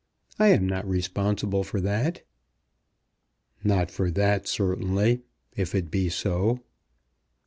I am not responsible for that." "Not for that certainly, if it be so."